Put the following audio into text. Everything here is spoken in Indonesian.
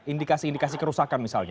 indikasi indikasi kerusakan misalnya